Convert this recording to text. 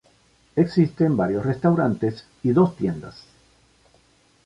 Existen varios restaurantes y dos tiendas.